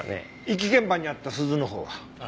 遺棄現場にあった鈴のほうは？